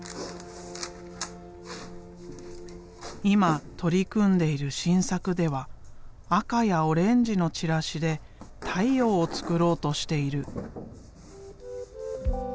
今取り組んでいる新作では赤やオレンジのチラシで太陽を作ろうとしている。